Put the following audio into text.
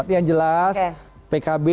yang jelas pkb